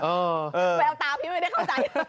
ได้เอาตาเธอไม่ได้เข้าใจ